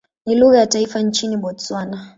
Ni lugha ya taifa nchini Botswana.